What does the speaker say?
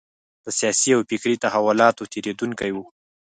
د سیاسي او فکري تحولاتو تېرېدونکی و.